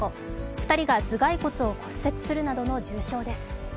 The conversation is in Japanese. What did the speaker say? ２人が頭蓋骨を骨折するなどの重傷です。